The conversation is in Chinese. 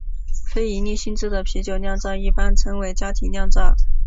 非营利性质的啤酒酿造一般称为家庭酿造。